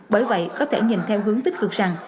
bởi vậy có thể nhìn theo hướng tích cực rằng